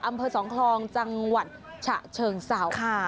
อำเภอสองคลองจังหวัดฉะเชิงเสา